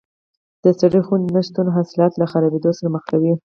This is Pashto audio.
د سړې خونې نه شتون حاصلات له خرابېدو سره مخ کوي.